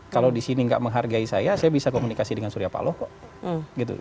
kalau di sini tidak menghargai saya saya bisa komunikasi dengan surya pak loh kok